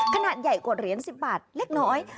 ขนาดใหญ่กว่าเหรียญ๑๐บาทเล็กน้อย